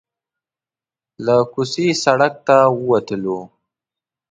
له کوڅې سړک ته وتلو.